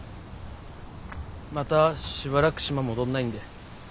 またしばらく島戻んないんで。